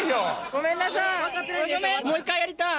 ごめんなさい。